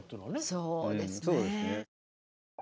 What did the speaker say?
そうですね。